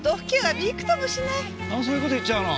あっそういう事言っちゃうの？